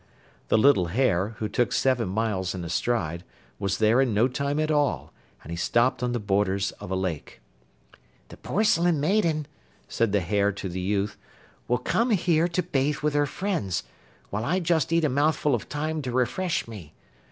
The little hare, who took seven miles in a stride, was there in no time at all, and he stopped on the borders of a lake. 'The Porcelain Maiden,' said the hare to the youth, 'will come here to bathe with her friends, while I just eat a mouthful of thyme to refresh me.